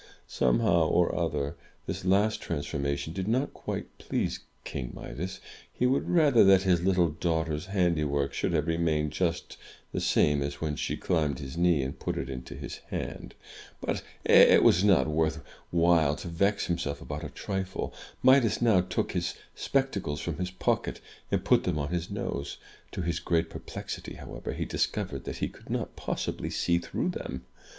Somehow or other, this last trans formation did not quite please King Midas. He would rather that his little daughter's handiwork should have remained just the same as when she climbed his knee and put it into his hand. But it was not worth while to vex himself about a trifle. Midas now took his spectacles from his pocket, and put them on his nose. To his great perplexity, however, he discovered that he could not possibly see through them.